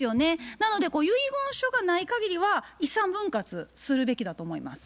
なので遺言書がないかぎりは遺産分割するべきだと思います。